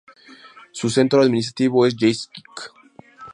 Su centro administrativo es Yeisk.